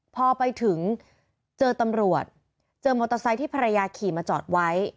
พอไปถึงเจอตำรวจเจอมอเตอร์ไซค์ที่ภรรยาขี่มาจอดไว้